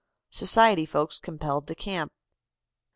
SOCIETY FOLKS COMPELLED TO CAMP.